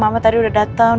mama tadi udah datang